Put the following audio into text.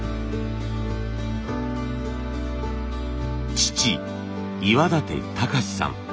父・岩舘隆さん。